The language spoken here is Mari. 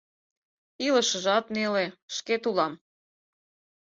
Илышыжат неле, шкет улам